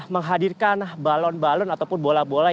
menghadirkan balon balon ataupun bola bola